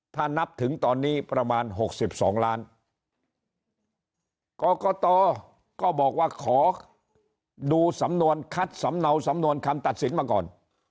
ถ้านับถึงตอนนี้ประมาณ๖๒ล้านกรกตก็บอกว่าขอดูสำนวนคัดสำเนาสำนวนคำตัดสินมาก่อน